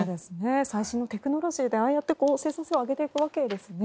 最新のテクノロジーでああやって生産性を上げていくわけですね。